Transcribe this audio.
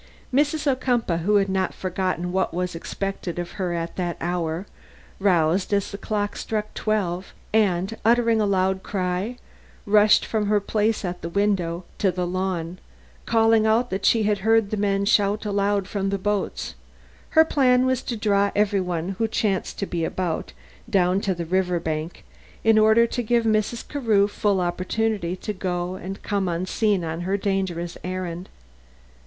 Mrs. Ocumpaugh, who had not forgotten what was expected of her at that hour, roused as the clock struck twelve, and uttering a loud cry, rushed from her place in the window down to the lawn, calling out that she had heard the men shout aloud from the boats. Her plan was to draw every one who chanced to be about, down to the river bank, in order to give Mrs. Carew full opportunity to go and come unseen on her dangerous errand.